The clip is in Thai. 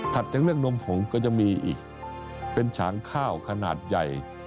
จากเรื่องนมผงก็จะมีอีกเป็นฉางข้าวขนาดใหญ่